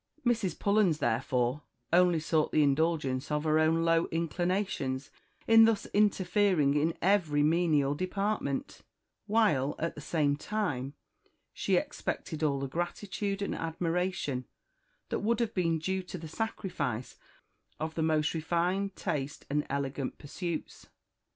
Mrs. Pullens, therefore, only sought the indulgence of her own low inclinations in thus interfering in every menial department; while, at the same time, she expected all the gratitude and admiration that would have been due to the sacrifice of the most refined taste and elegant pursuits.